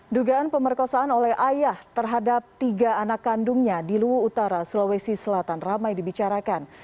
dugaan pemerkosaan oleh ayah terhadap tiga anak kandungnya di luwu utara sulawesi selatan ramai dibicarakan